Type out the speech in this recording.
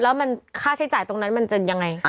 แล้วมันค่าใช้จ่ายตรงนั้นมันจะยังไง